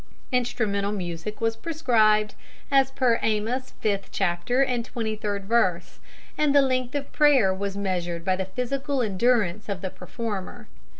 Instrumental music was proscribed, as per Amos fifth chapter and twenty third verse, and the length of prayer was measured by the physical endurance of the performer.